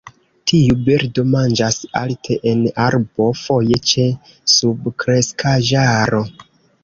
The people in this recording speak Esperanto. Tiu birdo manĝas alte en arbo, foje ĉe subkreskaĵaro.